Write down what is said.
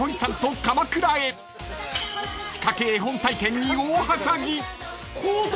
［仕掛け絵本体験に大はしゃぎ］